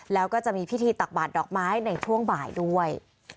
แล้วก็จะมีพิธีตักบาดดอกไม้ในช่วงบ่ายด้วย